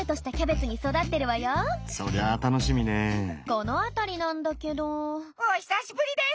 この辺りなんだけど。お久しぶりです！